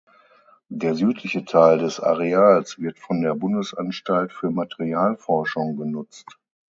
Der südliche Teil des Areals wird von der Bundesanstalt für Materialforschung genutzt.